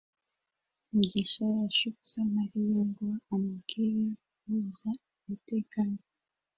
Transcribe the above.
mugisha yashutse mariya ngo amubwire guhuza umutekano